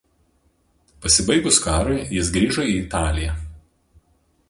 Pasibaigus karui jis grįžo į Italiją.